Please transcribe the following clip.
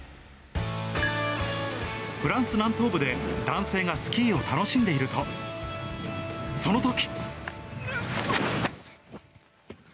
フランス南東部で男性がスキーを楽しんでいると、そのとき。